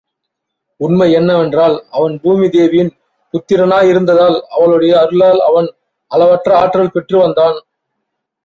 உண்மை என்னவென்றால், அவன் பூமி தேவியின் புத்திரனாயிருந்ததால், அவளுடைய அருளால் அவன் அளவற்ற ஆற்றல் பெற்று வந்தான்.